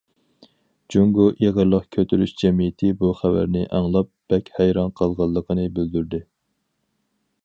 جۇڭگو ئېغىرلىق كۆتۈرۈش جەمئىيىتى بۇ خەۋەرنى ئاڭلاپ بەك ھەيران قالغانلىقىنى بىلدۈردى.